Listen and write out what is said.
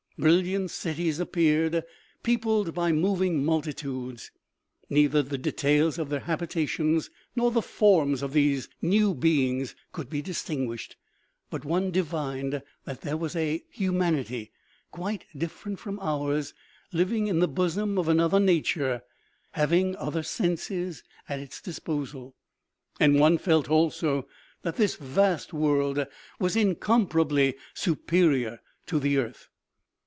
Brilliant cities appeared, peopled by moving multitudes. Neither the details of their habitations nor the forms of these new beings could be distinguished, but one divined that here was a humanity quite different from ours, living in the bosom of another nature, having other senses at its disposal ; and one felt also that this vast world was in comparably superior to the earth.